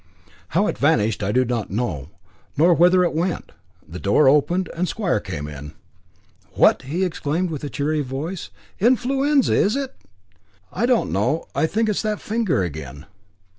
How it vanished I do not know, nor whither it went. The door opened, and Square came in. "What!" he exclaimed with cheery voice; "influenza is it?" "I don't know I think it's that finger again."